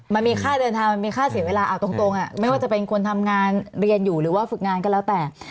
มันมีค่าเดินทางมันมีค่าเสียเวลาเอาตรงไม่ว่าจะเป็นคนทำงานเรียนอยู่หรือว่าฝึกงานก็แล้วแต่